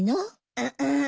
うっうん。